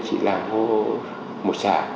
chỉ là một xã